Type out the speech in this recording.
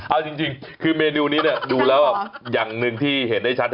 เอาจริงคือเมนูนี้ดูแล้วอย่างหนึ่งที่เห็นได้ชัด